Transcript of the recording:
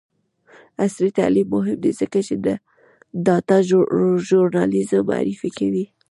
عصري تعلیم مهم دی ځکه چې د ډاټا ژورنالیزم معرفي کوي.